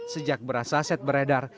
sejak beras saset beredar